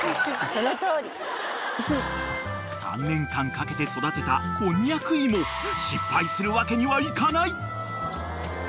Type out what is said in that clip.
［３年間かけて育てたこんにゃく芋失敗するわけにはいかない！］